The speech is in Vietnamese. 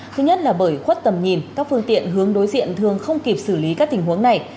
thứ nhất là bởi khuất tầm nhìn các phương tiện hướng đối diện thường không kịp xử lý các tình huống này